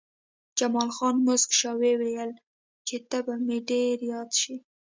جمال خان موسک شو او وویل چې ته به مې ډېر یاد شې